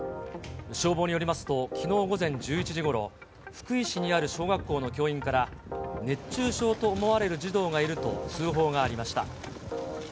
消防によりますと、きのう午前１１時ごろ、福井市にある小学校の教員から、熱中症と思われる児童がいると通報がありました。